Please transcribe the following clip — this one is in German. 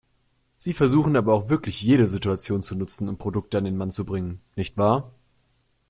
Sie versuchen aber auch wirklich jede Situation zu nutzen, um Produkte an den Mann zu bringen, nicht wahr?